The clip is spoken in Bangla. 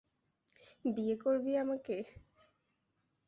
বিয়ে করবি আমাকে?